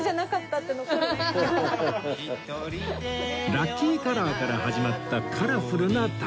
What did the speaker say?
ラッキーカラーから始まったカラフルな旅